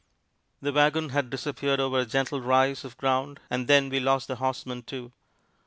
The wagon had disappeared over a gentle rise of ground, and then we lost the horsemen, too.